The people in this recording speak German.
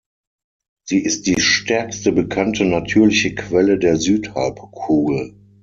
Sie ist die stärkste bekannte natürliche Quelle der Südhalbkugel.